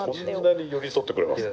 そんなに寄り添ってくれます？